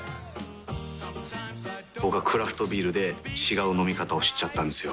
僕はクラフトビールで違う飲み方を知っちゃったんですよ。